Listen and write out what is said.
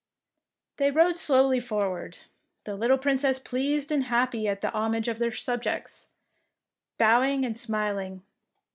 They rode slowly forward, the little Princess pleased and happy at the hom age of her subjects, bowing and smil ing.